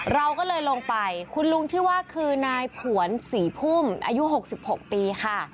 เราก็เลยลงไปคุณลุงที่ว่าคือนายผวนศรีพุ่มอายุ๖๖ปีค่ะ